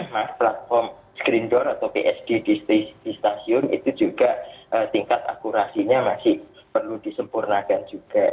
platform screen door atau psd di stasiun itu juga tingkat akurasinya masih perlu disempurnakan juga